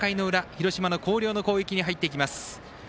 広島の広陵の攻撃に入っていきます。